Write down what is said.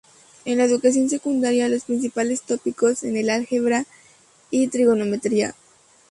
En la educación secundaria, los principales tópicos son el álgebra y trigonometría.